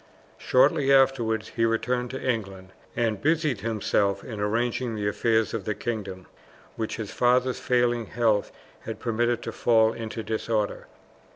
Shortly afterwards he returned to England, and busied himself in arranging the affairs of the kingdom, which his father's failing health had permitted to fall into disorder.